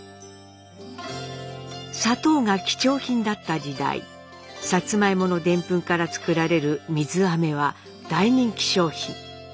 砂糖が貴重品だった時代サツマイモのでんぷんから作られる水あめは大人気商品。